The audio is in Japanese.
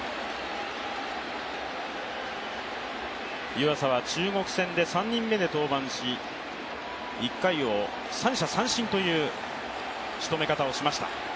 湯浅は中国戦で３人目で登板し１回を三者三振というしとめ方をしました。